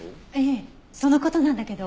ええその事なんだけど。